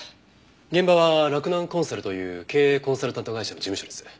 現場は洛南コンサルという経営コンサルタント会社の事務所です。